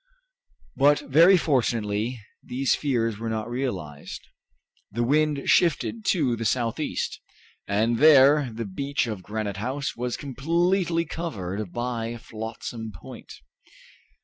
But, very fortunately, these fears were not realized. The wind shifted to the southeast, and there the beach of Granite House was completely covered by Flotsam Point.